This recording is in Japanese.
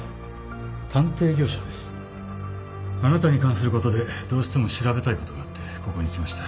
あなたに関することでどうしても調べたいことがあってここに来ました。